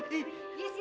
iya silahkan pak